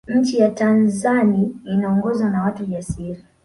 nchi ya tanzani inaongozwa na watu jasiri